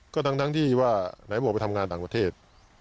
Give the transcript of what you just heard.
ก็ทั้งที่ว่าไหนบอกไปทำงานต่างประเทศ